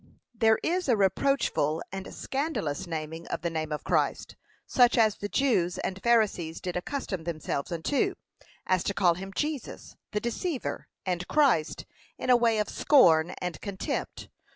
There is a reproachful and scandalous naming of the name of Christ, such as the Jews and Pharisees did accustom themselves unto, as to call him Jesus, the deceiver; and Christ, in a way of scorn and contempt.